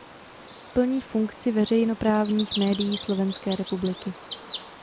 Plní funkci veřejnoprávních médií Slovenské republiky.